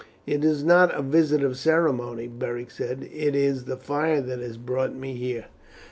"It is not a visit of ceremony," Beric said; "it is the fire that has brought me here."